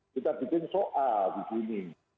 kita bikin soal di sini